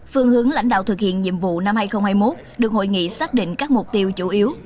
phương hướng lãnh đạo thực hiện nhiệm vụ năm hai nghìn hai mươi một được hội nghị xác định các mục tiêu chủ yếu